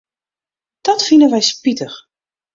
Dat fine wy spitich.